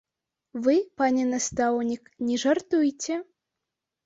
Вы, пане настаўнік, не жартуйце.